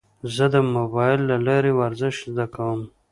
زه د موبایل له لارې ورزش زده کوم.